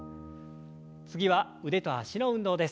次は腕と脚の運動です。